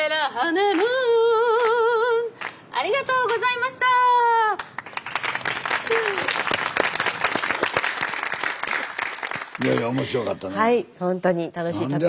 いやいや面白かったな。